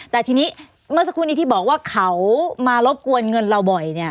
แต่ทีนี้เมื่อสักครู่นี้ที่บอกว่าเขามารบกวนเงินเราบ่อยเนี่ย